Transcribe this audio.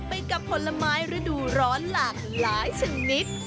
ไปกับผลไม้ฤดูร้อนหลากหลายชนิด